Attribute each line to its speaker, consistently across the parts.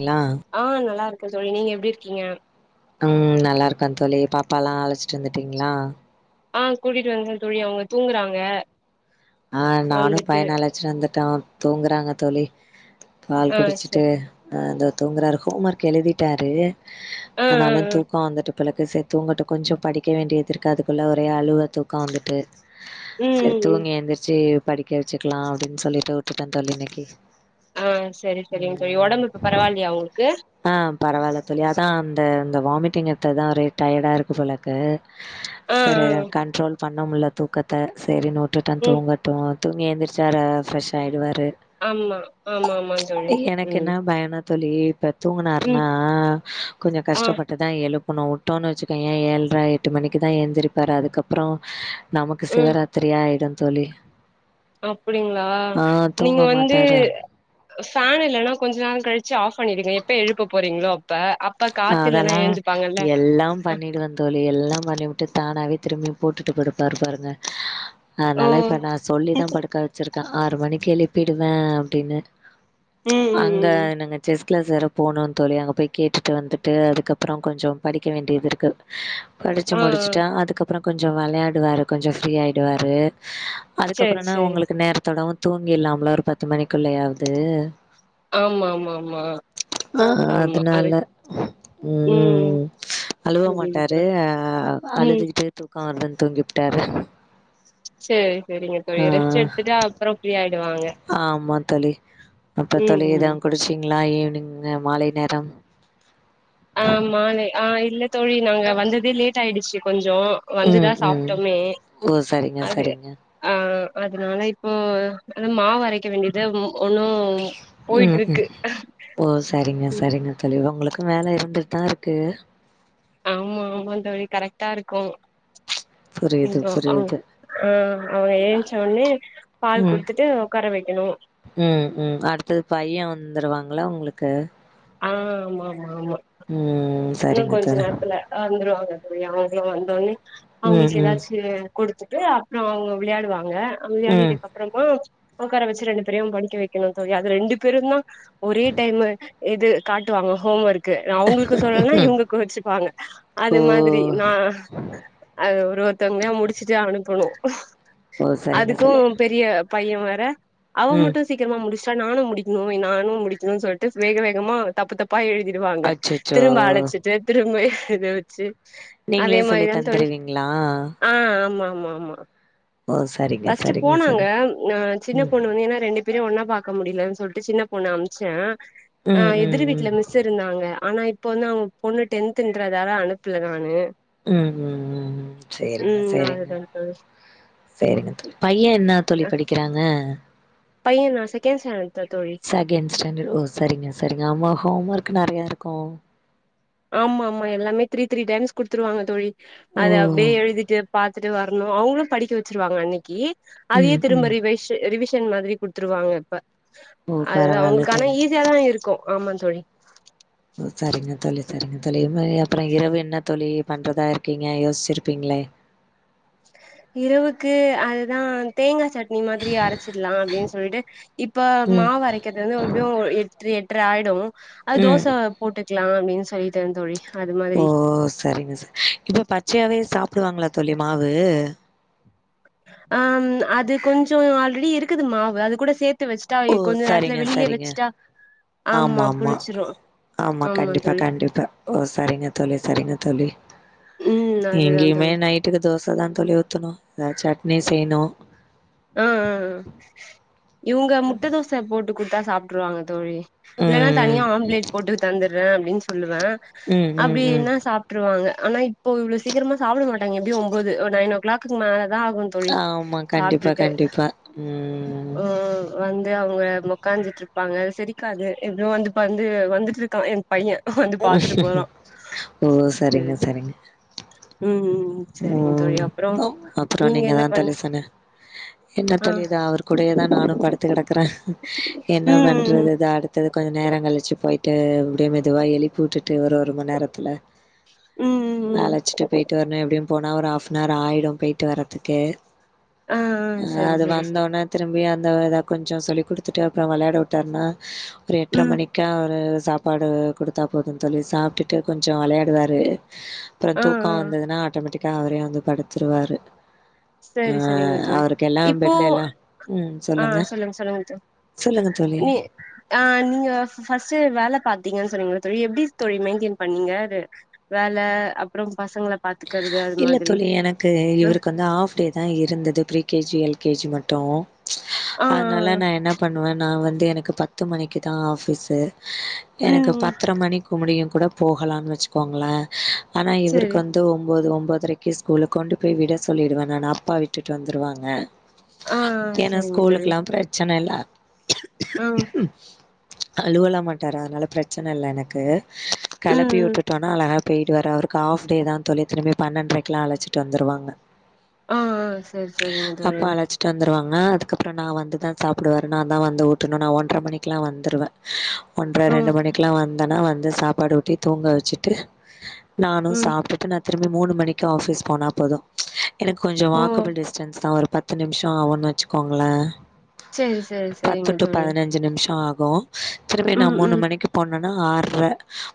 Speaker 1: ல்லா
Speaker 2: ஆ நல்லா இருக்கே தோழி நீங்க எப்டி இருக்கீங்க
Speaker 1: ம் நல்லா இருக்கே தோழி பாப்பால்லா அழச்சிட்டு வந்துட்டீங்களா
Speaker 2: ஆ கூட்டிட்டு வந்துட்டே தோழி அவங்க தூங்குறாங்க
Speaker 1: ஆ நானு
Speaker 2: வந்துட்டு
Speaker 1: பையன அழைச்சுட்டு வந்துட்டோம் தூங்குறாங்க தோழி பால்
Speaker 2: ஆ செரி
Speaker 1: குடிச்சிட்டு தோ தூங்குறாரு ஹோம்வொர்க் எழுதிட்டாரு
Speaker 2: ஆ ஆ
Speaker 1: அனால
Speaker 2: ஆ
Speaker 1: தூக்கம் வந்துட்டு இப்பளுக்கு செ தூங்கட்டும் கொஞ்சம் படிக்க வேண்டியது இருக்கு அதுக்குள்ள ஒரே அழுவ தூக்கம் வந்துட்டு
Speaker 2: ம்
Speaker 1: செரி
Speaker 2: ம் ம்
Speaker 1: தூங்கி எந்திரிச்சு படிக்க வச்சுக்கலா அப்டின்னு சொல்லிட்டு விட்டுட்டே தோழி இன்னைக்கு
Speaker 2: ஆ சரி சரிங்க தோழி ஒடம்பு இப்ப
Speaker 1: ம்
Speaker 2: பரவாலியா உங்களுக்கு
Speaker 1: ஆ பரவால தோழி அதா இந்த வாமிட்டிங் எடுத்ததுதா ஒரே டயர்டா இருக்கு போல இருக்கு
Speaker 2: ஆ
Speaker 1: சரி
Speaker 2: ஆ
Speaker 1: கண்ட்ரோல் பண்ண முல்ல தூக்கத்த சரின்னு வுட்டுட்டன்
Speaker 2: ம்
Speaker 1: தூங்கு அப்போ தூங்கி எழுந்திரிச்சாரா ஃப்ரெஷ் ஆயிடுவாரு
Speaker 2: ஆமா ஆமா ஆமா தோழி
Speaker 1: எனக்கு
Speaker 2: ம்
Speaker 1: என்ன பயனா தோழி இப்ப தூங்கினாருனா
Speaker 2: ம்
Speaker 1: கொஞ்சொ
Speaker 2: ஆ
Speaker 1: கஷ்டப்பட்டுதா எழுப்பணு வுட்டோன்னு வச்சுக்கோயே ஏழ்ர எட்டு மணிக்கு தா எந்திரிருப்பார் அதுக்கப்புற நமக்கு
Speaker 2: ம்
Speaker 1: சிவராத்திரியா ஆயிடும் தோழி
Speaker 2: அப்டிங்களா
Speaker 1: ஆ
Speaker 2: நீங்க
Speaker 1: தூங்க
Speaker 2: வந்து
Speaker 1: மாட்டாரு.
Speaker 2: ஃபேன் இல்லைன்னா கொஞ்ச நேரம் கழிச்சு ஆப் பண்ணிருங்க எப்ப எழுப்ப போறீங்களோ அப் ப அப்ப காத்துல்லன்னா
Speaker 1: அதெல்லா
Speaker 2: ஏஞ்சுப்பாங்கல்ல
Speaker 1: எல்லா பண்ணிடுவே தோழி எல்லா பண்ணிவுட்டு தானாவே திரும்பி போட்டுட்டு படுப்பாரு பாருங்க
Speaker 2: ஓ
Speaker 1: அனால இப்ப நா சொல்லிதா படுக்க வச்சிருக்கே ஆறு மணிக்கு எழுப்பிடுவே அப்டின்னு
Speaker 2: ம்
Speaker 1: அந்த
Speaker 2: ம் ம்
Speaker 1: நாங்க செஸ் கிளாஸ் வேற போணு தோழி அங்க போய் கேட்டு டு வந்துட்டு அதுக்கப்புற கொஞ்ச படிக்க வேண்டியது இருக்கு படிச்சு
Speaker 2: ஆ ஆ
Speaker 1: முடிச்சுட்டா அதுக்கப் அப்புற கொஞ்ச வெளையாடுவாரு கொஞ்ச ஃப்ரீ ஆயிடுவாரு
Speaker 2: சரி
Speaker 1: அதுக்கப்புறனா
Speaker 2: சரி
Speaker 1: உங்களுக்கு நேரத்தோடவு தூங்கிலாம்ல ஒரு பத்து மணிக்குள்ளேயாவது
Speaker 2: ஆமா ஆமா ஆமா ஆமா
Speaker 1: அதனால
Speaker 2: அதுக்
Speaker 1: ம் அழுவ
Speaker 2: புரியுது
Speaker 1: மாட்டாரு
Speaker 2: தோழி ம்
Speaker 1: அழுதுட் டு தூக்க வருதுனு தூங்கிபுட்டாரு
Speaker 2: செரி செரிங்க தோழி
Speaker 1: ஆ
Speaker 2: ரெஸ்ட் எடுத்துட்டு அப்ற ஃப்ரீயாயிட்
Speaker 1: ஆமா தோழி அப்புற
Speaker 2: ம்
Speaker 1: தோழி
Speaker 2: ம்
Speaker 1: எதவு குடிச்சீங்ளா ஈவினிங்கு மாலை நேரம்
Speaker 2: ஆமானு ஆ இல்ல தோழி நாங்க வந்ததே லேட் ஆயிடுச்சு கொஞ்சோ வந்துதா
Speaker 1: ம் ம்
Speaker 2: சாப்ட்டோமே
Speaker 1: ஓ சரிங்க
Speaker 2: அது
Speaker 1: சரிங்க
Speaker 2: ஆ அதனால இப்போ அது மாவரைக் இவங்கிட்ட ஒன்னு
Speaker 1: ம் ம்
Speaker 2: போயிட்ருக்கு
Speaker 1: ஓ சரிங்க சரிங்க தோழி உங்களுக்கு வேல இருந்துட்டு தா இருக்கு
Speaker 2: ஆமா ஆமாந் தோழி கரெக்டா இருக்கு
Speaker 1: புரியுது புரியுது
Speaker 2: அ அவ ஏன்ச்ச ஒன்னே பால்
Speaker 1: ம்
Speaker 2: குடுத்துட்டு ஒக்கார வைக்கணு
Speaker 1: ம் ம் அடுத்தது பைய வந்துருவாங்கள்ள உங்களுக்கு
Speaker 2: ஆ ஆமா ஆமா ஆமா
Speaker 1: ம்
Speaker 2: இன்னு
Speaker 1: சரிங்க
Speaker 2: கொஞ்ச
Speaker 1: தோழி
Speaker 2: நேரத்துல வந்துருவாங்க தோழி அவங்களு வந்தோனே
Speaker 1: ம்
Speaker 2: அவங்களுக்கு
Speaker 1: ம்
Speaker 2: ஏதாச்சி கொடுத்துட்டு அப்புற அவங்க விளையாடுவாங்க
Speaker 1: ம்
Speaker 2: விளையாடிடக் அப்புறமா ஒக்கார வச்சு ரெண்டு பேரையு படிக்க வைக்கணு தோழி அது ரெண்டு பேரு தா ஒரே டைமு இது காட்டுவாங்க ஹோம் ஒர்க்கு அவங்களுக்கு சொல்லன்னா
Speaker 1: ம்
Speaker 2: இவங்க கோச்சுப்பாங்க
Speaker 1: ஓ
Speaker 2: அது மாதி தி நா அது ஒரு ஒருத்தவங்கையா முடிச்சுட்டு அனுப்பணு
Speaker 1: ஓ சரிங்க
Speaker 2: அதுக்கு
Speaker 1: சரி
Speaker 2: பெரிய பைய வேற அவ
Speaker 1: ம்
Speaker 2: மட்டு சீக்கிரமா முடிச்சுட்டா நானு முடிக்ணு நானு முடிக்ணுனு சொல்ட்டு வேக வேகமா தப்பு தப்பா எழுதிடுவாங்க
Speaker 1: அச்சச்சோ
Speaker 2: திரும்ப அழச்சிட்டு திரும்ப எத வச்சு அதே
Speaker 1: நீங்களே சொல்லி
Speaker 2: மாரிதா தோழி
Speaker 1: தந்துருவீங்ளா
Speaker 2: ஆ ஆமா ஆமா ஆமா
Speaker 1: சரிங்க
Speaker 2: ஃபர்ஸ்ட்
Speaker 1: சரிங்க
Speaker 2: போனாங்க
Speaker 1: சரி
Speaker 2: ஆ சின்ன
Speaker 1: ம்
Speaker 2: பொண்ணு வந்து ஏன்னா ரெண்டு பேரையு ஒன்னா பாக்க முடியலன் சொல்ட்டு சின்ன பொண்ண அம்ச்ச அ
Speaker 1: ம்
Speaker 2: எதிர்
Speaker 1: ம்
Speaker 2: வீட்ல
Speaker 1: ம்
Speaker 2: மிஸ் இருந்தாங்க ஆனா இப்ப வந்து அவங்க பொண்ணு டென்துன்றதால அனுப்ல நானு
Speaker 1: ம் ம் ம் ம் சேரிங்க
Speaker 2: ம்
Speaker 1: சேரிங்க
Speaker 2: அதுதா தோழி
Speaker 1: சேரிங்க தோழி பைய என்ன தோழி படிக்கிறாங்க
Speaker 2: பையனா செகண்ட் ஸ்டாண்டட் தா தோழி
Speaker 1: செகண்ட் ஸ்டாண்டட் ஓ சரிங்க சரிங்க ஆமா ஹோம் ஒர்க் நறையா இருக்கு
Speaker 2: ஆமா ஆமா எல்லாமே த்ரீ த்ரீ டைம்ஸ் குடுத்துருவாங்க தோழி
Speaker 1: ஓ
Speaker 2: அத அப்டியே எழுதிட்டு பாத்துட்டு வரணு அவுங்களு படிக்க வச்சிருவாங்க அன்னைக்கு அதையே
Speaker 1: ம்
Speaker 2: திரும்ப
Speaker 1: ம்
Speaker 2: ரிவைஷ் ரிவிஷன் மாதிரி குடுத்துருவாங்க இப்ப
Speaker 1: ஓ
Speaker 2: அது
Speaker 1: பரவால்ல
Speaker 2: அவங்களுக்கான
Speaker 1: தோழி
Speaker 2: ஈ ஈசியா தா இருக்கு ஆமா தோழி
Speaker 1: ஓ சரிங்க தோழி சரிங்க தோழி இன்மே அப்புற இரவு என்ன தோழி பண்றதா இருக்கீங்க யோசிச்சுருப்பீங்ளே
Speaker 2: இரவுக்கு அதுதா தேங்கா சட் னி மாதிரி அரச்சிட்லா அப்டின் சொல்ட்டு இப்ப
Speaker 1: ம்
Speaker 2: மாவரை வக்கிறது வந்து எப்டியோ எட்டு எட்ற ஆயிடு அது
Speaker 1: ம்
Speaker 2: தோச போட்டுக்லா அப்டின் சொல்லிட்ட தோழி அது
Speaker 1: ஓ
Speaker 2: மாதிரி
Speaker 1: சரிங்க ச இப்போ பச்சையாவே சாப்டுவாங்களா தோழி மாவு
Speaker 2: ஆம் அது கொஞ்சோ ஆல்ரெடி இருக்குது மாவு அது கூட சேத்து வச் ட்டா
Speaker 1: ஓ!
Speaker 2: கொஞ்ச நேரத்துல
Speaker 1: சரிங்க,
Speaker 2: வெளிலே
Speaker 1: சரிங்க.
Speaker 2: வச்சுட்டா ஆமா புளிச்சிரு
Speaker 1: ஆமா கண்டிப்பா கண்டிப்பா ஓ சரிங்க தோழி சரிங்க தோழி
Speaker 2: ம் அதுதான்
Speaker 1: மே நைட்டுக்கு தோசதா தோழி ஊத்தணு அ சட்னி செய்ணு
Speaker 2: அ அ ஆ இவ்ங்க முட்ட தோச போட்டு குடுத்தா சாப்ட்ருவாங்க தோழி இல்லனா
Speaker 1: ம்.
Speaker 2: தனியா ஆம்லேட் போட்டு தந்துறே அப்டின் சொல்லுவ
Speaker 1: ம், ம், ம்.
Speaker 2: அப்டீனா சாப் ட்ருவாங்க ஆனா இப்போ இவ்ளோ சீக்கிரமா சாப்ட மாட்டாங்க எப்டியு ஒன்போது ஒர் நைன் ஓ கிளாக்குக்கு மேலதா ஆகு தோழி
Speaker 1: ஆமா கண்டிப்பா
Speaker 2: சாப்ட்டுட்டு
Speaker 1: கண்டிப்பா ம்
Speaker 2: ஆ வந்து அவ்ங்க ஒக்காந்துட்ருப்பாங்க செரிக்காது இவ்னு வந்து இப்ப வந்து வந்துட்ருக்கான் என் பையன் வந்து பாத்துட்டு போறான்
Speaker 1: ஓ! சரிங்க, சரிங்க.
Speaker 2: ம் சரிங்க தோழி
Speaker 1: ம்
Speaker 2: அப்புறோ
Speaker 1: அப்புறோ
Speaker 2: நீங்க என்ன
Speaker 1: தா
Speaker 2: பண்
Speaker 1: தோழி சொன்ன என்ன தோழி இதா அவர் கூடயேதா நானு படுத்து கெடக்குற
Speaker 2: ம்
Speaker 1: என்ன
Speaker 2: ம்
Speaker 1: பண்றது இத அடு த்து கொஞ்ச நேரன்கழிச்சு போய்ட்டு அப்டியே மெதுவா எழுப்பி உட்டுட்டு ஒரு ஒருமண் நேரத்துல
Speaker 2: ம் ம் ம் ம்
Speaker 1: அழச்ட்டு பேய்ட்டு வர்ணு எப்டியும் போனா ஒரு ஆஃப்னர் ஆய்டு பேய்ட்டு வரதுக்கே
Speaker 2: ஆ ஆ
Speaker 1: ம்
Speaker 2: சரி
Speaker 1: அது
Speaker 2: சரி சரி
Speaker 1: வந்தோன திரும்பியு அந்த எதா கொஞ்சோ சொல்லி குடுத்துட்டு அப்றோ வெளையாட உட்டான்னா ஒரு எட்ர
Speaker 2: ம்
Speaker 1: மணி க்கா ஒரு சாப்பாடு குடுத்தா போதுந்தோழி சாப்ட்டுட்டு கொஞ்சோ வெளையாடுவாரு அப்றோ
Speaker 2: ஆ
Speaker 1: தூக்கோ
Speaker 2: ஆ
Speaker 1: வந்ததுனா ஆட்டோமேட்டிக்கா அவரே வந்து படுத்துருவாரு அ
Speaker 2: சரி சரிங்க தோழி
Speaker 1: அவருக்கெல்லா
Speaker 2: இப்போ
Speaker 1: பெட்ல எல்லா ம்
Speaker 2: ஆ
Speaker 1: சொல்லுங்க
Speaker 2: சொல்லுங்க தோழி
Speaker 1: சொல்லுங்க தோழி
Speaker 2: நீ ஆ நீங்க ஃபஸ்ட்டு வேல பாத்தீங்கன் சொன்னீங்கல தோழி எப்டி தோழி மெய்ன்டெய்ன் பண்ணீங்கரு வேல அப்றோம் பசங்ள
Speaker 1: இல்ல தோழி எனக்கு
Speaker 2: ஆ
Speaker 1: இவருக் வந்து ஆஃப் டேதா இருந்தது pre K G L K G மட்டு
Speaker 2: ஆ ஆ
Speaker 1: அதுனால நா என்ன பண்ணுவே நா வந்து எனக்கு பத்து மணிக்கு தா ஆஃபிஸு எனக்கு
Speaker 2: ம் ம்
Speaker 1: பத்ர மணிக்கு முடியுன் கூட போகலான் வச்சுக்கோங்ள ஆனா இவருக்
Speaker 2: சரி
Speaker 1: வந்து ஒம்போது ஒம்போதுரைக்கு ஸ்கூலு கொண்டு போய் விட சொல்லிருவ நானு அப்பா விட்டுட்டு வந்துருவாங்க
Speaker 2: ஆ
Speaker 1: ஏனா
Speaker 2: சரிங்க தோழி
Speaker 1: ஸ்கூலுக்குலா பிரச்சன இல்ல
Speaker 2: ஆ
Speaker 1: அழுவலா மாட்டாரு அதுனால பிரச்சன இல்ல எனக்கு
Speaker 2: ம்
Speaker 1: கெளப்பி
Speaker 2: ம்
Speaker 1: உட்டுட்டோனா அழகா பேய்ருவாரு அவருக்கு ஆஃப் டே தா தோழி திரும்பியு பன்னென்றரைக்குலா அழச்சிட்டு வந்துருவாங்க
Speaker 2: அ ஆ சர் சரிங்க தோழி
Speaker 1: ட்டு வந்துருவாங்க அதுக்கப்றோ நா வந்து தா சாப்டுவாரு நான்தா வந்து ஊட்டணு நா ஒன்ற மணிக்குலா வந்துருவ ஒன்ற
Speaker 2: ஆ
Speaker 1: ரெண்டு மணிக்குலா வந்தனா வந்து சாப்பாடு ஊட்டி தூங்க வச்சுட்டு நானு
Speaker 2: ம்
Speaker 1: சாப்டுட்டு நா திரும்பி மூணு மணிக்கு ஆஃபீஸ் போனா போது எனக்கு கொஞ்சோ
Speaker 2: ஓ
Speaker 1: வாக்கபிள் டிஸ்டன்ஸ்தா ஒரு பத்து நிம்ஷோ ஆவுன் வச்சுக்கோங்ள
Speaker 2: சரி சரி
Speaker 1: பத்து
Speaker 2: சரிங்க
Speaker 1: ட்டூ
Speaker 2: தோழி
Speaker 1: பதுனஞ்சு நிம்ஷோ ஆகு திரும்பி நா
Speaker 2: ம்
Speaker 1: மூணு
Speaker 2: ம்
Speaker 1: மணிக்கு போனனா ஆற்ர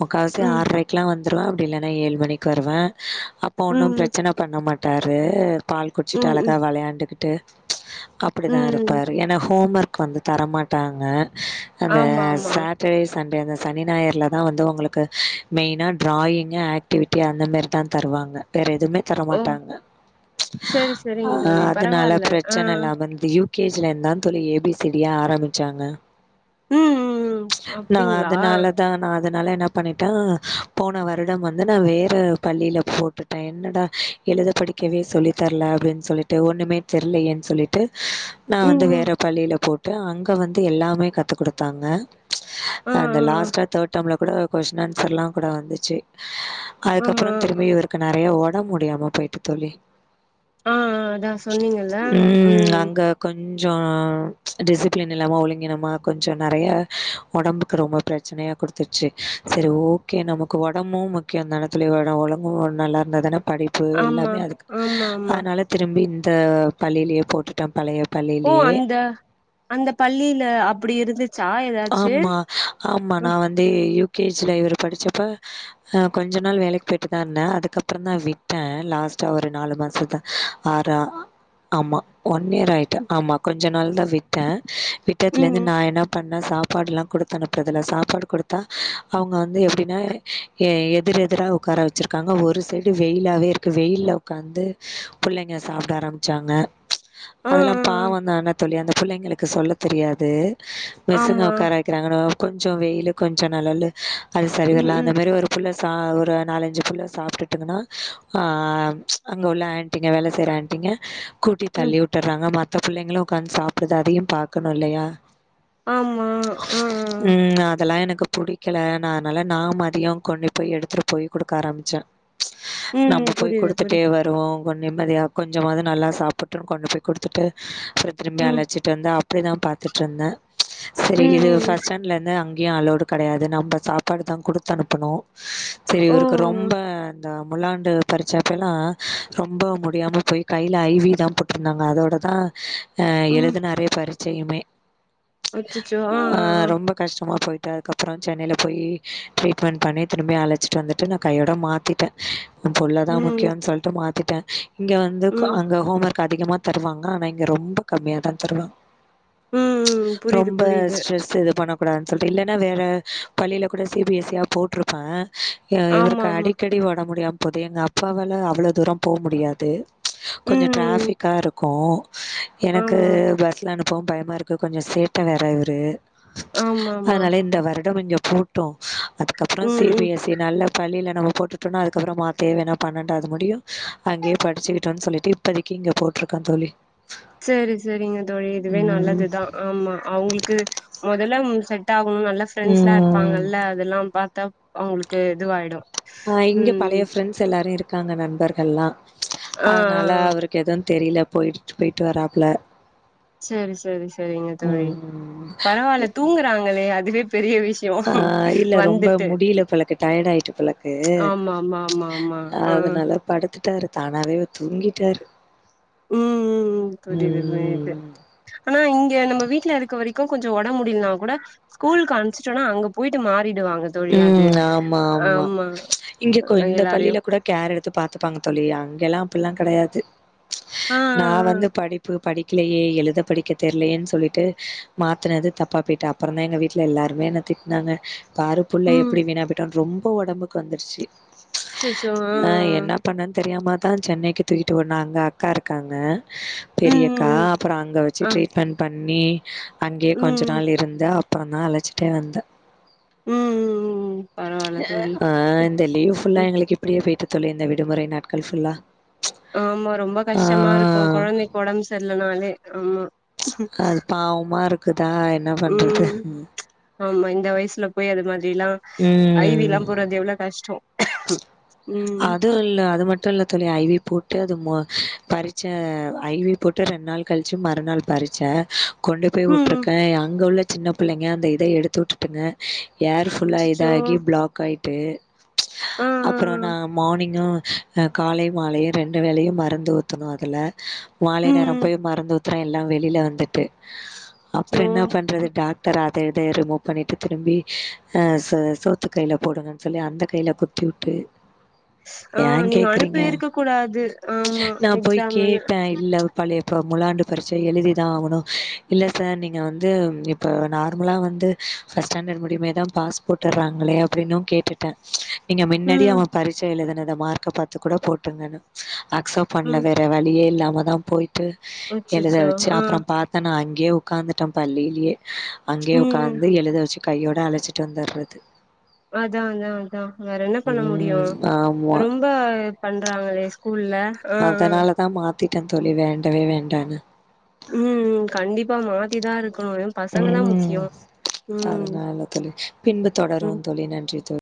Speaker 1: முக்காவாசி
Speaker 2: ம்
Speaker 1: ஆறரைக்லா வந்துருவ அப்டி இல்லனா ஏழு மணி க் வருவ அப்போ ஒன்னு
Speaker 2: ம்
Speaker 1: பிரச்சன பண்ண மாட்டாரு பால்
Speaker 2: ம்
Speaker 1: குடிச்சிட்டு அழகா
Speaker 2: ம்
Speaker 1: வெளையாண்டுக்கிட்டு அப்டிதா
Speaker 2: ம் ம்
Speaker 1: இருப்பாரு ஏனா ஹோம் ஒர்க் வந்து தர மாட்டாங்க அந்த
Speaker 2: ஆமா ஆமா
Speaker 1: சாட் டடே சண்டே அந்த சனி ஞாயற்லதா வந்து ஒங்களுக்கு மெய்னா ட்ராயிங்கு ஆக்டிவிட் டி அந்த மாரிதா தருவாங்க வேற எதுமே தர
Speaker 2: ஓ
Speaker 1: மாட்டாங்க
Speaker 2: சரி சரிங்க
Speaker 1: ஆ
Speaker 2: தோழி
Speaker 1: அதுனால
Speaker 2: பரவால்ல ஆ
Speaker 1: பிரச்சனல்ல வந்து யு கே ஜி ல இர்ந்தா தோழி ஏ பி சி டி யே ஆரமிச்சாங்க
Speaker 2: ம் ம்
Speaker 1: நா
Speaker 2: அப்டிங்களா
Speaker 1: அதனாலதா நான் அதனால என்ன பண்ணிட்டா போன வருடம் வந்து நா வே ற பள்ளில போட்டுட்டே என்னடா எழுத படிக்கவே சொல்லித்தர்ல அப்டின்னு சொல்லிட் டு ஒன்னுமே தெர்லயேன்னு சொல்லிட்டு ட்டு நா வந்து
Speaker 2: ம் ம்
Speaker 1: வேற பள்ளியில போட்ட அங்க வந்து எல்லாமே கத்து குடுத்தாங்க
Speaker 2: ஆ ஆ
Speaker 1: அந்த லாஸ்டா தேர்ட் டெம்ல கூட கொஸ்டின் ஆன்சர்லா கூட வந்துச்சு
Speaker 2: ஆமா
Speaker 1: அதுக்கப்பறோ திரும்பி இவருக்கு நறைய ஓடம்பு முடியாம போயிட்டு தோழி
Speaker 2: ஆ ஆ அதா சொன்னீங்கல்ல ம்
Speaker 1: கொஞ்சோ டிசிப்ளின் இல்லாம ஒழுங்கினமா கொஞ்ச நறைய ஒடம்புக்கு ரொம்ப பிரச்ச பிரச்சனையா குடுத்துருச்சு சேரி ஓகே நமக்கு ஒடம்பு முக்கியோ தானே பிள்ளைகளோட ஒடம்பு நல்லா இருந்தா தானே படிப்பு
Speaker 2: ஆமா
Speaker 1: எல்லாமே அதுக்கு
Speaker 2: ஆமா ஆமா
Speaker 1: அதனால திரும்பி இந்த பள்ளியிலேயே போட்டு ட பழைய பள்ளி
Speaker 2: ஓ அந்த அந்த பள்ளில அப்டி இருந்துச்சா ஏதா
Speaker 1: ஆமா ஆமா நா வந்து யு கே ஜி ல இவர் படிச்சப்ப ஆ கொஞ்ச நாள் வேலைக்கு போயிட்டு தா இருந்தே அதுக்கப்பறோ தா விட்டே லாஸ்ட்டா ஒரு நாலு மாசம் தா ஆறா ஆமா ஒன் இயர் ஆயிட்டு ஆமா கொஞ்ச நாள் தா விட்டே
Speaker 2: ம்
Speaker 1: விட்டத்துலேருந்து
Speaker 2: ம்
Speaker 1: நா என்ன பண்ண சாப்பாடெல்லா குடுத்தனுப்புறதில்ல சாப்பாடு குடுத்தா அவுங்க வந்து எப்டினா எ எதிர் எதிராக ஒட்கார வெச்சிருக்காங்க ஒரு சைடு வெயிலாவே இருக்குது வெயில்ல ஒட்காந்து புள்ளைங்க சாப்ட ஆரமிச்சாங்க
Speaker 2: ஆ
Speaker 1: அதெல்லா பாவௌ தானே தோழி அந்த புள்ளைங்களுக்கு சொல்ல தெரியாது
Speaker 2: ஆ ஆ
Speaker 1: மிசுங்க
Speaker 2: ஆமா
Speaker 1: ஒட்கார கிறாங்க கொஞ்சோ வெயிலு கொஞ்ச நெழலு அது
Speaker 2: ம்
Speaker 1: சரிவர்ல அந்த
Speaker 2: ம்
Speaker 1: மாரி ஒரு ஃபுள்ள சா ஒரு நாலஞ்சு ஃபுள்ள சாப்டுட்டுங்கன்னா அங்கே உள்ள இங்க வேல செய்ற ஆன்ட்டீங்க கூட்டி
Speaker 2: ம்
Speaker 1: தள்ளிவுட்டுறாங்க மத்த புள்ளைங்களு ஒட்காந்து சாப்புடுது அதையு பாக்கணு இல்லயா
Speaker 2: ஆமா ஆ ஆ
Speaker 1: ம் அதெல்லா எனக்கு புடிக்கல நா அதனால நா மதியோ கொண்டு போய் எடுத்துட்டு போய் குடுக்க ஆரம்பிச்சே
Speaker 2: ம்
Speaker 1: நம்போ போய்
Speaker 2: புரியுது
Speaker 1: குடுத்துட்டே
Speaker 2: புரியுது
Speaker 1: வர் ருவோ கொஞ்ச நிம்மதியா கொஞ்சமாது நல்லா சாப்புட்டு கொண்டு போய் குடுத்துட்டு அப்றோ திரும்பி
Speaker 2: ம்
Speaker 1: அழச்சிட்டு வந்து அப்டி நா பாத்துட்டிருந்தே செரி இது
Speaker 2: ம் ம்
Speaker 1: ஃபர்ஸ்ட் ஸ்டாண்ட்ல இருந்து அங்கையு அலோட்டு கெடையாது நம்ம சாப்பாடு தான் குடுத்து அனுப்பணு சேரி
Speaker 2: ஓ
Speaker 1: இவருக்கு ரொம்ப இந்த முழாண்டு பரிட்ச அப்பெல்லா ரொம்ப முடியாம போய் கைல ஐ வி லா போட் டிருந்தாங்க அதோட தா ஆ
Speaker 2: ம்
Speaker 1: எழுதுனாரு பரிட்சையுமே ஆ ரொம்ப கஷ்டமா போயகட்டு அதுக்கப்றோ சென்னைல போயி ட்ரீட்மெண்ட் பண்ணி திரும்பி அழச்சிட்டு வந்துட்டு நா கையோட மாத்திட்டே எயா புள்ள தா
Speaker 2: ம்
Speaker 1: முக்கியோன்னு சொல்லிட்டு மாத்திட்டே இங்க வந்து அங்
Speaker 2: ம்
Speaker 1: அங்க ஹோம் ஒர்க் அதிகமா தருவாங்க ஆனா இங்க ரொம்ப கம்மியா தா தருவாங்க
Speaker 2: ம் ம் புரியுது
Speaker 1: ரொம்ப
Speaker 2: புரியுது
Speaker 1: ஸ்ட்ரெஸ்ஸு இது பண்ண கூடான்னு சொல்லிட்டு இல்லைன்னா வேற பள்ளில கூட சி பி எஸ் ஸி யி போட்டிருப்பே ஆ
Speaker 2: ஆமா
Speaker 1: இவருக்கு
Speaker 2: ஆமா
Speaker 1: அடிக்கடி ஒடம்பு முடியாம போது எங்க அப்பாவால அவ்ளோ தூரோ போ முடியாது கொஞ்சோ
Speaker 2: ம்
Speaker 1: ட்ராஃபிக்கா இருக்கு எனக்கு
Speaker 2: ஆமா
Speaker 1: பஸ்ல அனுப்பவு பயமா இருக் கு கொஞ்சோ சேட்ட வேற இவரு
Speaker 2: ஆமாமா
Speaker 1: அதனால இந்த வருடம் கொஞ்சோ போட்டு அதுக்கப்றோ C
Speaker 2: um
Speaker 1: B
Speaker 2: um
Speaker 1: S சேரி நல்லா பள்ளில நம்ம போட்டுட்டோனா அதுக்கப்புறோமா தேவன்னா பன்னெண்டாவது முடியு அங்கயே படிச்சுக்கிட்டுன்னு சொல்லிட்டு இப்போதைக்கி இங்க போட்டிருக்கோ தோழி
Speaker 2: சேரி செரிங்க தோழி இதுவே
Speaker 1: ம்
Speaker 2: நல்லதுதா ஆமா அவுங்களுக்கு மொதல்ல இது செட் ஆகும்னு நல்லா ஃப்ரெண்ட்ஸ்லா
Speaker 1: ம்
Speaker 2: இருப்பாங்கள்ல அதெல்லா பாத்தா அவுங்களுக்கு இதுவாயிடு
Speaker 1: ஆ இங்க பழைய
Speaker 2: ம்
Speaker 1: ஃப்ரெண்ட்ஸ் எல்லாரு இருக்காங்க நண்பர்கள்லா
Speaker 2: ஆ ஆ
Speaker 1: அதனால
Speaker 2: ஆ.
Speaker 1: அவருக் எதும் தெரில பொய்ட்டு பொய்ட்டு வராப்புல
Speaker 2: செரி செரி செரிங்க தோழி
Speaker 1: ம் ம்
Speaker 2: பரவால்ல தூங்குறாங்களே அதுவே பெரிய விஷ்
Speaker 1: ஆ இல்ல ரொம்ப முடில போலக்கு டயர்ட் ஆய்ட்டு போலக்கு
Speaker 2: ஆமா ஆமா ஆமா ஆமா ஆ
Speaker 1: அதனால படுத்துட்டாரு தானாவே அவரு தூங்கிட்டாரு
Speaker 2: ம் ம் ம் புரிது
Speaker 1: ம்
Speaker 2: புரிது
Speaker 1: ம்
Speaker 2: ஆனா இங்க நம்ம வீட்ல இருக்க வரைக்கு கொஞ்சோ ஒடம்பு முடிலனா கூட ஸ்கூலுக்கு அனுப்ச்ட்டோன்னா அங்க பொய்ட்டு மாறிடுவாங்க தோழி அது
Speaker 1: ம் ஆமா ஆமா இங்க கொ இந்த
Speaker 2: எல்லாரையு
Speaker 1: பள்ளில கூட கேர் எடுத்து பாத்துப்பாங்க தோழி அங்க எல்லா அப்டில்லா கெடையாது
Speaker 2: ஆ ஆ
Speaker 1: நா
Speaker 2: ஆ
Speaker 1: வந்து படிப்பு படிக்கலயே எழுத படிக்க தெர்லயேனு சொல்லிட்டு மாத்துனது தப்பா போய்ட்டு அப்புறோதா எங்க வீட்ல எல்லாருமே என்ன திட்னாங்க பாரு புள்ள
Speaker 2: ம்
Speaker 1: எப்டி வீணா போய்ட்டான்னு ரொம்ப ஒடம்புக்கு வந்துருச்சு
Speaker 2: அச்சச்சோ ஆ
Speaker 1: அ என்ன பண்ணனு தெரியாம தா சென்னைக்கு தூக்கிட்டு ஓடுனாங்க அக்கா இருக்காங்க
Speaker 2: ஆ ஆ ம்
Speaker 1: பெரியக்கா
Speaker 2: ம் ம்
Speaker 1: அப்புறோ அங்க
Speaker 2: ஆ
Speaker 1: வெச்சு ட்ரீட்மெண்ட் பண்ணி அங்கயே
Speaker 2: ம்
Speaker 1: கொஞ்ச
Speaker 2: ம் ம்
Speaker 1: நாள் இருந்து அப்பறந்தா அழைச்சுட்டே வந்த
Speaker 2: ம் ம் ம் ம் பரவால்ல தோழி
Speaker 1: ஆ இந்த லீவ் ஃபுல்லா
Speaker 2: ம்
Speaker 1: எங்களுக்கு இப்டியே போய்ட்டு தோழி இந்த விடுமுறை நாட்கள் ஃபுல்லா
Speaker 2: ஆமா ரொம்ப
Speaker 1: ஆ
Speaker 2: கஷ்டமா இருக்கு கொழந்தைக்கு ஒடம்பு சரியில்லனாலே ஆமா
Speaker 1: அது பாவமா இருக்குதா என்ன பண்றது
Speaker 2: ம் ஆமா இந்த வயசுல போய் அது மாதிரிலா ஐ வி எல்லா
Speaker 1: ம்.
Speaker 2: போறது எவ்ளோ கஷ்டோ ம்
Speaker 1: அதும் இல்ல அது மட்டு இல்ல தோழி ஐ வி போட்டு அது மொ பரிட்ச ஐ வி போ ட்டு ரெண்டு நாள் கழிச்சு மறுநாள் பரிட்ச கொண்டு போய்
Speaker 2: ம்
Speaker 1: உட்ருக்கே அங்க உள்ள சின்ன பிள்ளைங்க அந்த இத எடுத்து உட்டுட்டுங்க ஏரு ஃபுல்லா
Speaker 2: அச்சச்சோ
Speaker 1: இதாகி பிளாக் ஆயிட்டு
Speaker 2: ஆ ஆ
Speaker 1: அப்புறோ நா மார்னிங்கு ஆ காலையு மாலையு ரெண்டு வேலையு மருந்து ஊத்தணு அதுல மாலை
Speaker 2: ஆ
Speaker 1: நேரோ
Speaker 2: ம்
Speaker 1: போய் மருந்து ஊத் துனா அப்புறோ எல்லா வெளில வந்துட்டு அப்புறோ
Speaker 2: அச்சோ
Speaker 1: என்ன பண்றது டாக் டர் அதயு இதயு ரிமூவ் பண்ணிட்டு திரும்பி சோ சோத்து கைல போடுங்கன்னு சொல்லி அந்த கைல குத் திவுட்டு
Speaker 2: ஆ
Speaker 1: ஏன்
Speaker 2: நீங்க
Speaker 1: கேக்குறீங்க
Speaker 2: அனுப்பவே இருக்க கூடாது ஆமா
Speaker 1: நான் போய்
Speaker 2: எக்ஸாமுன்னு
Speaker 1: கேட்டேன் இல்ல பள்ளியப்போ முழாண்டு பரிட்ச எழுதிதா ஆகணு இல்ல சார் நீங்க வந்து எப் இப்போ நார்மலா வந்து ஃபர்ஸ்ட் ஸ்டாண்டர்ட் முடியுமே தா பாஸ் போட்டுறாங்களே அப்டின்னு கேட்டுட்டன் நீங்க மின்னாடி
Speaker 2: ம்
Speaker 1: அவன் பரிட்ச எழுதுனத மார்க்கை பார்த்து கூட போட்டுங்கனு அக்சப்ட் பண்ணல
Speaker 2: ம்
Speaker 1: வே வேற வழியே இல்லாம தா போயிட்டு எழுத
Speaker 2: அச்சச்சோ
Speaker 1: வச்சு
Speaker 2: ஆ
Speaker 1: அப்புறோ பாத் தான் நா அங்கயே உக்காந்துட்டேன் பள்ளிலேயே அங்கயே
Speaker 2: ம் ம்
Speaker 1: உட்காந்து எழுத வச்சு கையோட அழச்சிட்டு வந்துடுறது
Speaker 2: அதா அதா அதா வேற என்ன பண்ண முடியு
Speaker 1: ம் ஆமா
Speaker 2: ம்ப பண்றாங்களே ஸ்கூல்ல ஆ ஆ
Speaker 1: அதனால தா மாத்திட்டே தோழி வேண்டவே வேண்டான்னு
Speaker 2: ம் ம் கண்டிப்பா மாத்தி தா இருக்கணு பசங்க தா முக்கியோ
Speaker 1: ம்
Speaker 2: ம்
Speaker 1: அதனால தோழி பின்பு
Speaker 2: ம்
Speaker 1: தொடரும் தோழி நன்றி தோழி